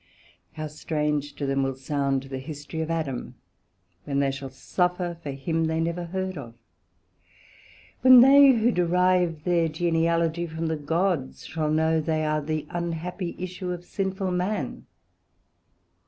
how strange to them will sound the History of Adam, when they shall suffer for him they never heard of? when they who derive their genealogy from the Gods, shall know they are the unhappy issue of sinful man?